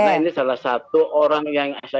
karena ini salah satu orang yang saya ajukan